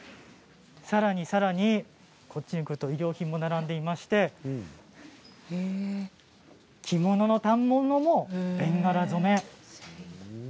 さらに、さらに、こっちに来ると衣料品も並んでいまして着物の反物もベンガラ染め。